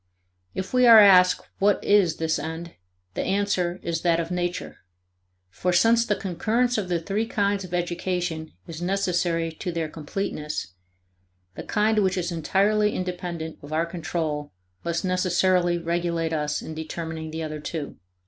If we are asked what is this end, the answer is that of Nature. For since the concurrence of the three kinds of education is necessary to their completeness, the kind which is entirely independent of our control must necessarily regulate us in determining the other two."